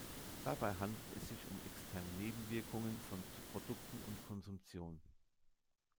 Dabei handelt es sich um externe Nebenwirkungen von Produkten und Konsumtion.